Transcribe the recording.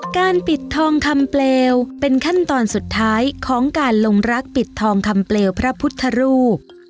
การปิดทองคำเปลวเป็นขั้นตอนสุดท้ายของการลงรักปิดทองคำเปลวพระพุทธรูป